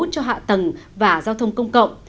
cho hạ tầng và giao thông công cộng